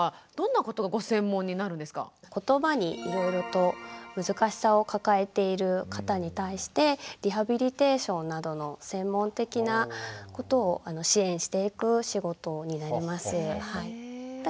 ことばにいろいろと難しさを抱えている方に対してリハビリテーションなどの専門的なことを支援していく仕事になります。